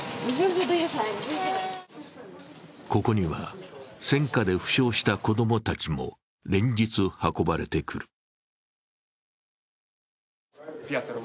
ここには戦火で負傷した子供たちも連日運ばれてくる。